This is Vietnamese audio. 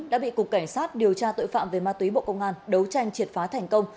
đã bị cục cảnh sát điều tra tội phạm về ma túy bộ công an đấu tranh triệt phá thành công